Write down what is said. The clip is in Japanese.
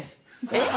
えっ？